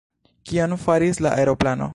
Kion faris la aeroplano?